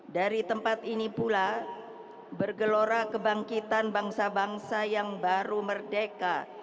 dari tempat ini pula bergelora kebangkitan bangsa bangsa yang baru merdeka